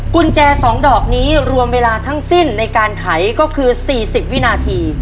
กุญแจ๒ดอกนี้รวมเวลาทั้งสิ้นในการไขก็คือ๔๐วินาที